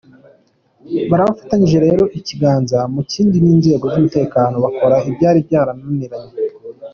Barafatanyije rero ikiganza mu kindi n’inzego z’umutekano bakora ibyari byarananiranye”.